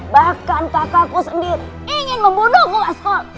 bahkan kakakku sendiri ingin membunuhku waskol